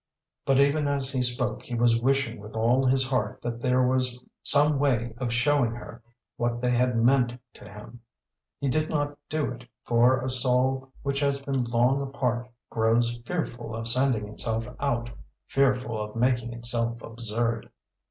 But even as he spoke he was wishing with all his heart that there was some way of showing her what they had meant to him. He did not do it, for a soul which has been long apart grows fearful of sending itself out, fearful of making itself absurd.